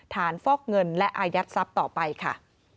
ฟอกเงินและอายัดทรัพย์ต่อไปค่ะ